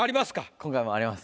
今回もあります。